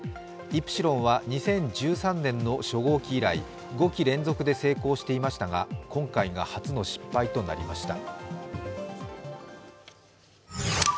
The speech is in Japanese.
イプシロンは２０１３年の初号機以来、５機連続で成功していましたが今回が初の失敗となりました。